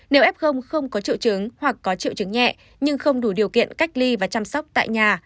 nếu f không có triệu chứng hoặc có triệu chứng nhẹ nhưng không đủ điều kiện cách ly và chăm sóc tại nhà